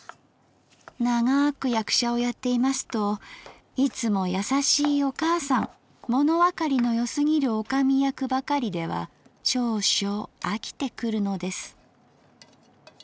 ながく役者をやっていますといつもやさしいお母さんものわかりのよすぎる女将役ばかりでは少々あきてくるのです」